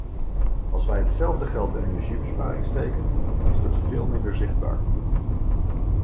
Als wij hetzelfde geld in energiebesparing steken, is dat veel minder zichtbaar.